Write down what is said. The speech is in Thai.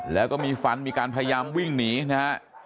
แล้วก็มีฟันมีการพยายามวิ่งหนีนะฮะ